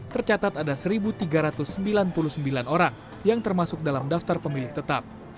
tercatat ada satu tiga ratus sembilan puluh sembilan orang yang termasuk dalam daftar pemilih tetap